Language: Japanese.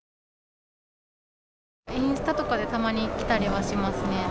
インスタとかでたまに来たりはしますね。